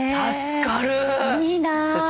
いいな。